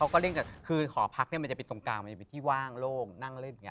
ก็เล่นกันคือหอพักเนี่ยมันจะเป็นตรงกลางมันจะเป็นที่ว่างโล่งนั่งเล่นอย่างนี้